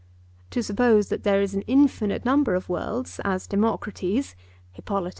To suppose that there is an infinite number of worlds, as Democritus (Hippolyt.